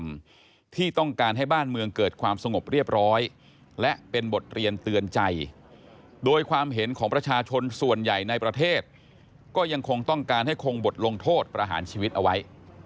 ที่ต้องการให้บ้านเมืองเกิดความสงบเรียบร้อยและเป็นบทเรียนเตือนใจโดยความเห็นของประชาชนส่วนใหญ่ในประเทศก็ยังคงต้องการให้คงบทลงโทษประหารชีวิตเอาไว้